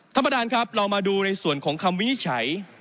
ธรรมดาลครับเรามาดูในส่วนของคำวินิจฉัย